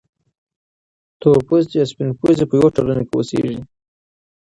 تورپوستي او سپین پوستي په یوه ټولنه کې اوسیږي.